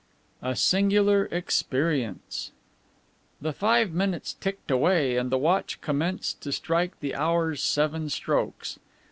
A SINGULAR EXPERIENCE The five minutes ticked away and the watch commenced to strike the hour's seven strokes.